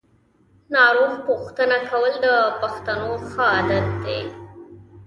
ناروغ پوښتنه کول د پښتنو ښه عادت دی.